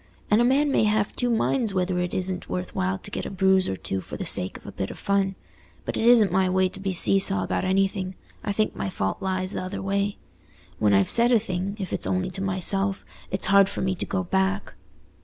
And a man may have two minds whether it isn't worthwhile to get a bruise or two for the sake of a bit o' fun. But it isn't my way to be see saw about anything: I think my fault lies th' other way. When I've said a thing, if it's only to myself, it's hard for me to go back."